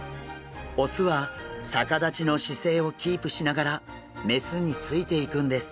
雄は逆立ちの姿勢をキープしながら雌についていくんです。